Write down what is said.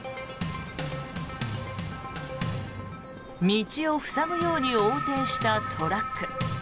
道を塞ぐように横転したトラック。